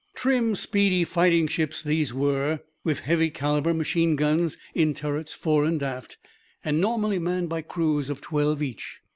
Trim, speedy fighting ships these were, with heavy caliber machine guns in turrets fore and aft and normally manned by crews of twelve each.